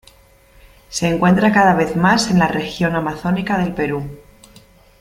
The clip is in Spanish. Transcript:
Se encuentra cada vez más en la región amazónica del Perú.